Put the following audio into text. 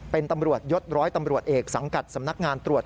เป็นตำรวจยศร้อยตำรวจเอกสังกัดสำนักงานตรวจ